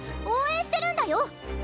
応援してるんだよ？